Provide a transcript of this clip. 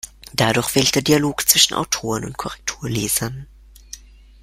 Dadurch fehlt der Dialog zwischen Autoren und Korrekturlesern.